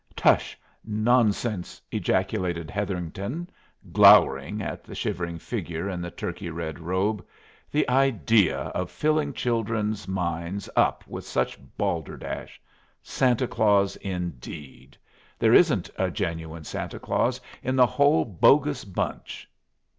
"Tush! Nonsense!" ejaculated Hetherington, glowering at the shivering figure in the turkey red robe. "The idea of filling children's minds up with such balderdash! Santa Claus, indeed! There isn't a genuine Santa Claus in the whole bogus bunch."